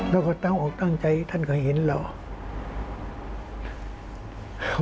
แล้วก็ต้องออกตั้งใจท่านเขาเห็นแล้ว